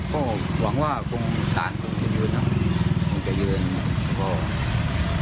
ก็หวังว่าคุณตาจะยืนนะ